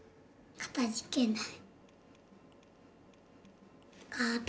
「かたじけない」